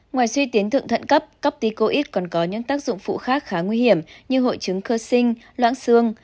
ngoài suy tuyến thượng thận cấp copticoid còn có những tác dụng phụ khác khá nguy hiểm như hội chứng cursing loãng xương